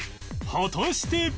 果たして